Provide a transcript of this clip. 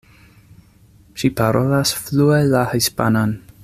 Ŝi parolas flue la hispanan.